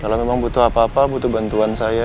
kalau memang butuh apa apa butuh bantuan saya